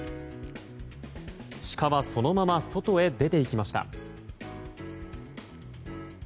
シカはそのまま外へ出ていきました。